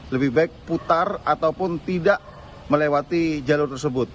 lebih baik putar ataupun tidak melewati jalur tersebut